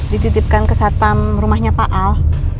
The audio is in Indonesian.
dititipkan ke satpam rumahnya pak al